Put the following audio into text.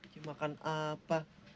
ya makan apa